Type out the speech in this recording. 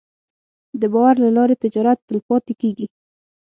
د باور له لارې تجارت تلپاتې کېږي.